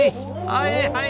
はい。